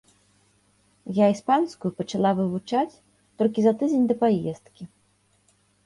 Я іспанскую пачала вывучаць толькі за тыдзень да паездкі.